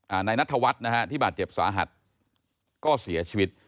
นายนัทวัฒน์นะฮะที่บาดเจ็บสาหัสก็เสียชีวิต